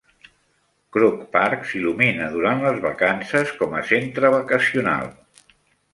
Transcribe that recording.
Krug Park "s'il·lumina" durant les vacances com a centre vacacional.